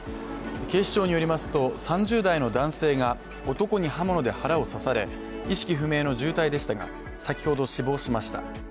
警視庁によりますと、３０代の男性が男に刃物で腹を刺され意識不明の重体でしたが先ほど死亡しました。